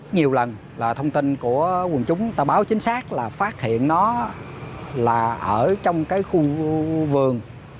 nhiều lần là thông tin của quần chúng ta báo chính xác là phát hiện nó là ở trong cái khu vườn